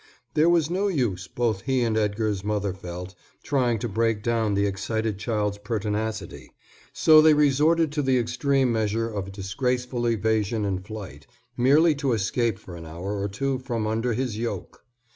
There was no use, both he and Edgar's mother felt, trying to break down the excited child's pertinacity. So they resorted to the extreme measure of disgraceful evasion and flight, merely to escape for an hour or two from under his yoke.